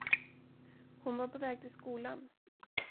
Hon var på väg till skolan.